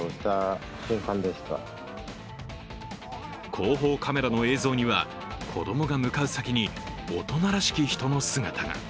後方カメラの映像には子供が向かう先に大人らしき人の姿が。